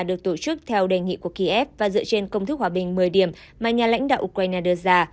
được tổ chức theo đề nghị của kiev và dựa trên công thức hòa bình một mươi điểm mà nhà lãnh đạo ukraine đưa ra